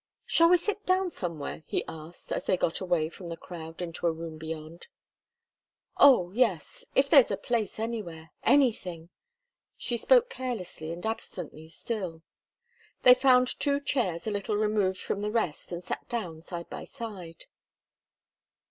"Shall we sit down somewhere?" he asked, as they got away from the crowd into a room beyond. "Oh, yes if there's a place anywhere. Anything!" She spoke carelessly and absently still. They found two chairs a little removed from the rest, and sat down side by side.